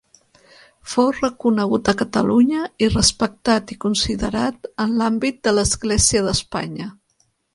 Fou reconegut a Catalunya i respectat i considerat en l'àmbit de l'Església d'Espanya.